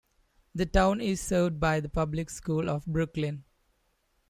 The town is served by the Public Schools of Brookline.